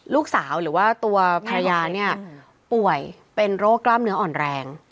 ลูกสาวหรือว่าตัวภรรยาเนี่ยป่วยเป็นโรคกล้ามเนื้ออ่อนแรง